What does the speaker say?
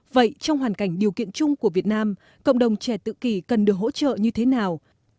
vậy trong hoàn cảnh điều kiện chung của việt nam cộng đồng trẻ tự kỷ cần được hỗ trợ như thế nào